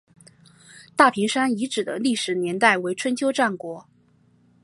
大坪山遗址的历史年代为春秋战国。